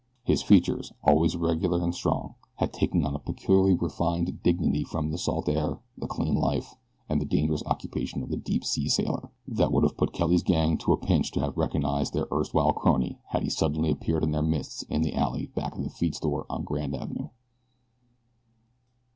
His features, always regular and strong, had taken on a peculiarly refined dignity from the salt air, the clean life, and the dangerous occupation of the deep sea sailor, that would have put Kelly's gang to a pinch to have recognized their erstwhile crony had he suddenly appeared in their midst in the alley back of the feed store on Grand Avenue.